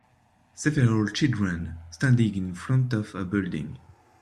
Several children standing in front of a building.